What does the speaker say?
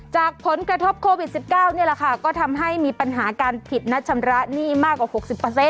จากผลกระทบโควิด๑๙นี่แหละค่ะก็ทำให้มีปัญหาการผิดนัดชำระหนี้มากกว่า๖๐